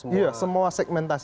iya semua segmentasi